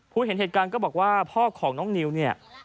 เห็นเหตุการณ์ก็บอกว่าพ่อของน้องนิวเนี่ย